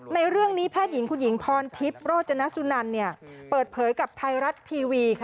ในเรื่องนี้แพทย์หญิงคุณหญิงพรทิพย์โรจนสุนันเปิดเผยกับไทยรัฐทีวี